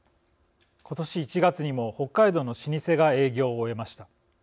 今年１月にも北海道の老舗が営業を終えました。